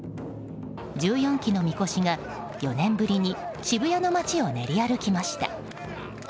１４基のみこしが４年ぶりに渋谷の街を練り歩きました。